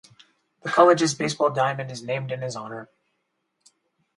The college's baseball diamond is named in his honor.